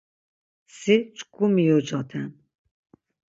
Si, çku miucaten!